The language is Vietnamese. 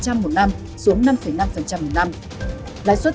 trăm một mươi năm xuống năm năm phần trăm một mươi năm lãi suất